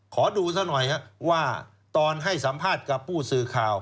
ขอดูซะหน่อยครับว่าตอนให้สัมภาษณ์กับผู้สื่อข่าว